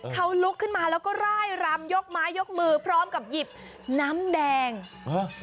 เขาลุกขึ้นมาแล้วก็ร่ายรำยกไม้ยกมือพร้อมกับหยิบน้ำแดงฮะ